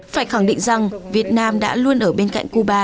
phải khẳng định rằng việt nam đã luôn ở bên cạnh cuba